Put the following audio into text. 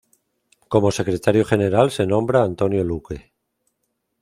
Como secretario general se nombra a Antonio Luque.